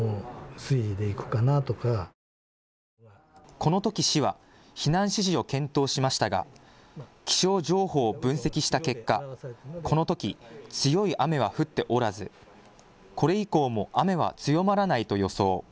このとき市は避難指示を検討しましたが気象情報を分析した結果、このとき強い雨は降っておらずこれ以降も雨は強まらないと予想。